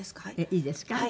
いいですか？